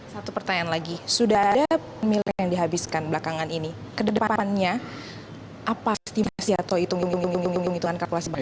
satu pertanyaan lagi sudah ada pemilikan yang dihabiskan belakangan ini kedepannya apa estimasi atau hitungan kalkulasi